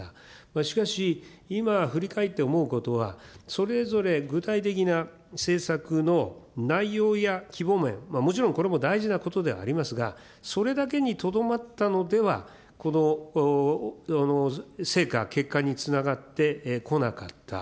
しかし、今振り返って思うことは、それぞれ具体的な政策の内容や規模面、もちろんこれも大事なことではありますが、それだけにとどまったのでは、この成果、結果につながってこなかった。